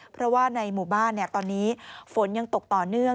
เพราะว่าในหมู่บ้านตอนนี้ฝนยังตกต่อเนื่อง